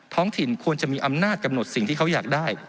ท้องถิ่นควรจะมีอำนาจกำหนดสิ่งที่เขาอยากได้